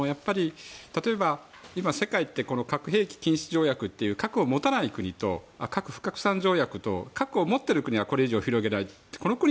例えば今世界って核兵器禁止条約という核を持たない国とそして核不拡散条約と核を持っている国はこれ以上広げないという。